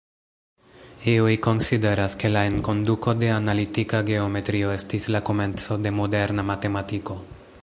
Iuj konsideras, ke la enkonduko de analitika geometrio estis la komenco de moderna matematiko.